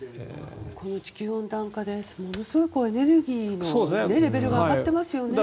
地球温暖化でものすごくエネルギーのレベルが上がっていますよね。